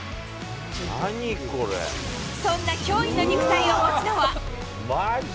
そんな驚異の肉体を持つのは。